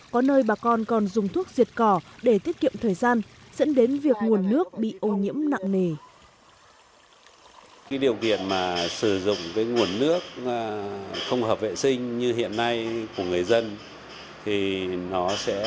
có nơi bà con còn dùng thuốc diệt cỏ để tiết kiệm thời gian dẫn đến việc nguồn nước bị ô nhiễm nặng nề